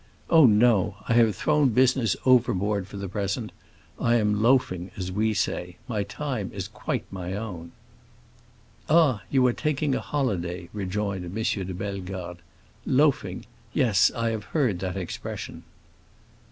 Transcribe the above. Oh no, I have thrown business overboard for the present. I am 'loafing,' as we say. My time is quite my own." "Ah, you are taking a holiday," rejoined M. de Bellegarde. "'Loafing.' Yes, I have heard that expression."